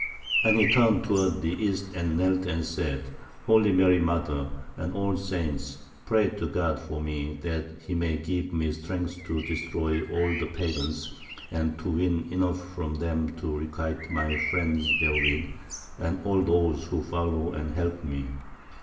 And he turned toward the East and knelt and said, Holy Mary Mother, and all Saints, pray to God for me, that He may give me strength to destroy all the Pagans, and to win enough from them to requite my friends therewith, and all those who follow and help me.